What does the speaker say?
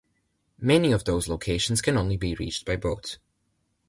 Many of these locations can only be reached by boat.